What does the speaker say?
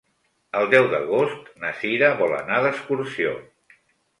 El deu d'agost na Sira vol anar d'excursió.